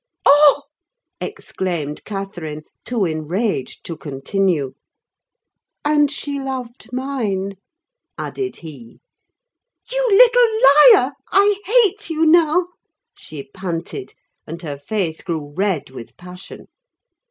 "Oh!" exclaimed Catherine, too enraged to continue. "And she loved mine," added he. "You little liar! I hate you now!" she panted, and her face grew red with passion.